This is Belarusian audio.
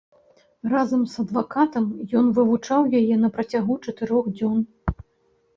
Разам з адвакатам ён вывучаў яе на працягу чатырох дзён.